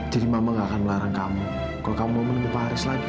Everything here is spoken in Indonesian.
jadi mama gak akan melarang kamu kalau kamu mau menemui pak haris lagi